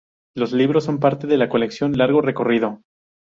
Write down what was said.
Los libros son parte de la colección "Largo recorrido".